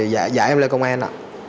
dạy em lên công an ạ